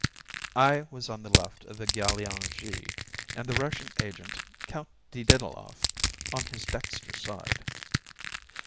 I was on the left of the Galeongee, and the Russian agent, Count de Diddloff, on his dexter side.